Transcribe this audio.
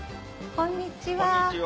こんにちは。